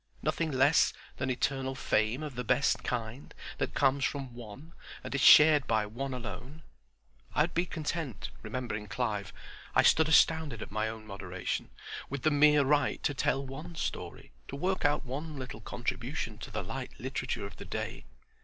Nothing less than eternal fame of the best kind; that comes from One, and is shared by one alone. I would be content—remembering Clive, I stood astounded at my own moderation,—with the mere right to tell one story, to work out one little contribution to the light literature of the day.